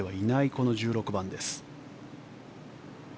この１６番です。